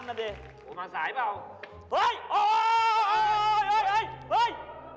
เห้ยเห้ย